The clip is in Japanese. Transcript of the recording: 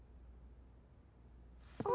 あ。